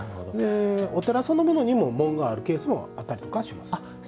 お寺そのものにも紋があるケースもあったりとかはします。